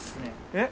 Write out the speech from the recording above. えっ？